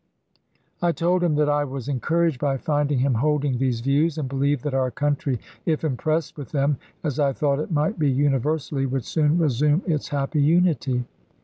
" I told him that I was encouraged by finding him holding these views, and believed that our country, if impressed with them, as I thought it might be universally, would soon resume its happy unity.